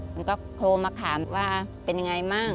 มันก็โทรมาถามว่าเป็นยังไงบ้าง